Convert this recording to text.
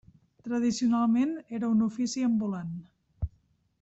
Tradicionalment era un ofici ambulant.